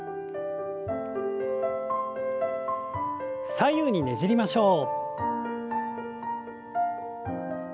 左右にねじりましょう。